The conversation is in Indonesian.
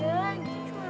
enggak gue cuma mau